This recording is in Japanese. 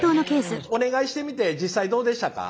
お願いしてみて実際どうでしたか？